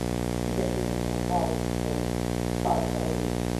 "See the earls of Warwick for further holders"